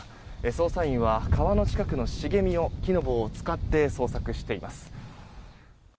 捜査員は川の近くの茂みを木の棒を使って捜索しています。